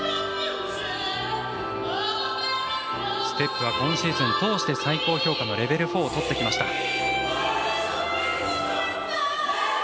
ステップは今シーズン通して最高評価のレベル４をとってきました。